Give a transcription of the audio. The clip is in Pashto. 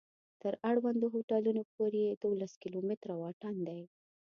تر اړوندو هوټلونو پورې یې دولس کلومتره واټن دی.